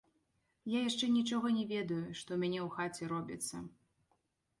Я яшчэ нічога не ведаю, што ў мяне ў хаце робіцца.